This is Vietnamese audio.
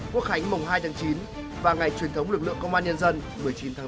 quốc khánh mùng hai tháng chín và ngày truyền thống lực lượng công an nhân dân một mươi chín tháng tám